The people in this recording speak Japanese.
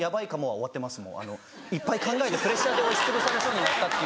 いっぱい考えてプレッシャーで押しつぶされそうになったって。